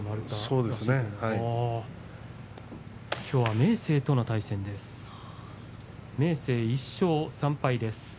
きょうは明生との対戦です。